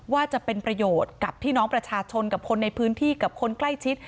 ว่าจะเป็นประโยชน์กับพี่น้องประชาชนกับคนในพื้นที่กับคนใกล้ชิด